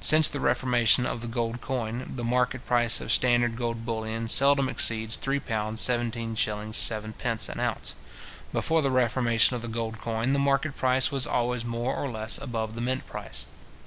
Since the reformation of the gold coin, the market price of standard gold bullion seldom exceeds £ 3:17:7 an ounce. Before the reformation of the gold coin, the market price was always more or less above the mint price.